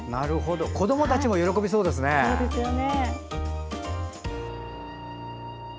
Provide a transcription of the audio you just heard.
子どもたちも喜びそうですね。